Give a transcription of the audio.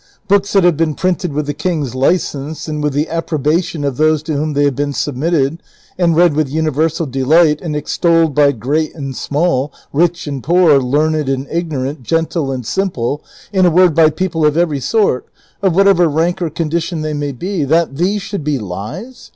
<■' Books that have been printed with the king's license, and with the appro bation of those to whom they have been submitted, and read with universal delight, and extolled by great and small, rich and poor, learned and ignorant, gentle and simple, in a word by people of every sort, of whatever rank or condition they may be — that these should be lies